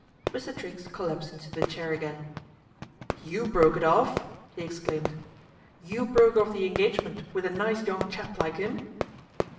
Mr. Triggs collapsed into the chair again r You broke it off," he exclaimed. " You broke off the engagement with a nice young chap like im